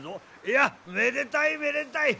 いやめでたいめでたい！